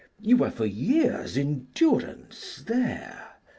You were for years in durance there."